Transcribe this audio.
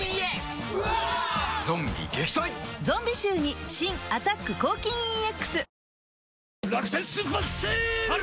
ゾンビ臭に新「アタック抗菌ＥＸ」